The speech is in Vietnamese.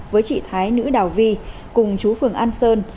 với chị thái nữ đào vi cùng chú phường an sơn